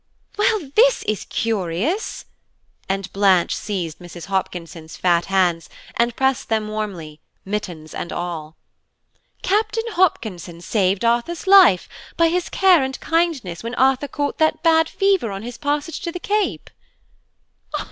"Well, this is curious!" and Blanche seized Mrs. Hopkinson's fat hands, and pressed them warmly, mittens and all. "Captain Hopkinson saved Arthur's life, by his care and kindness when Arthur caught that bad fever on his passage to the Cape."